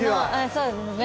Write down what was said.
そうですね。